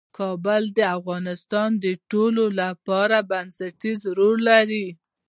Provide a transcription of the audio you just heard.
کابل د افغانستان د ټولنې لپاره بنسټيز رول لري.